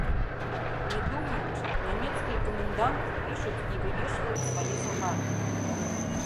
Не думаючы, нямецкія каменданты пішуць і вывешваюць свае загады.